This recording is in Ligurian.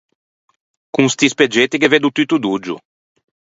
Con sti speggetti ghe veddo tutto doggio.